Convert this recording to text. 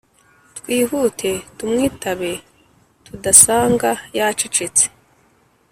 Twihute tumwitabe tudasanga yacecetse